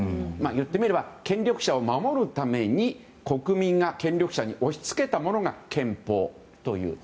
言ってみれば権力者を守るために国民が権力者に押し付けたものが憲法だと。